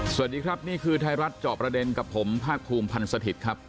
สวัสดีครับนี่คือไทยรัฐจอบประเด็นกับผมภาคภูมิพันธ์สถิตย์ครับ